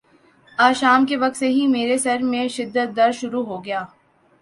آج شام کے وقت سے ہی میرے سر میں شدد درد شروع ہو گیا